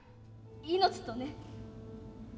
命とね。